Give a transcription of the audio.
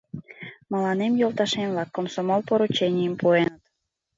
Мыланем йолташем-влак комсомол порученийым пуэныт.